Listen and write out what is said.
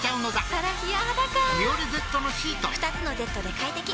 ２つの「Ｚ」で快適！